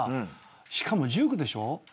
しかも１９でしょ。